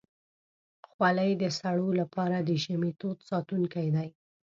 خولۍ د سړو لپاره د ژمي تود ساتونکی ده.